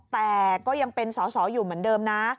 แต่ก็ยังเป็นสอสออยู่เหมือนเดิมนะ